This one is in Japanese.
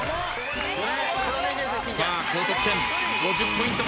高得点５０ポイントバルーン。